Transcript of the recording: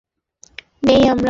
এদের থেকেই মাল নেই আমরা।